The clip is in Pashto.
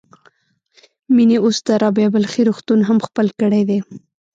مينې اوس د رابعه بلخي روغتون هم خپل کړی دی.